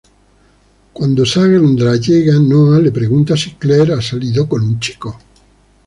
Cuando Sandra llega, Noah le pregunta si Claire ha salido con un chico.